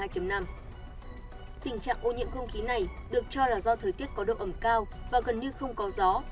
tình trạng ô nhiễm không khí này được cho là do thời tiết có độ ẩm cao và gần như không có gió